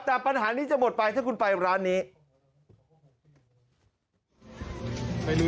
แต่ปัญหานี้จะหมดไปถ้าคุณไปร้านนี้